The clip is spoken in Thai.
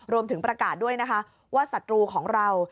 รวมถึงประกาศด้วยนะคะว่าศัตรูของเรา